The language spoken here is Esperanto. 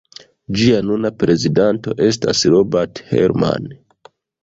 Ĝia nuna prezidanto estas Robert Herrmann.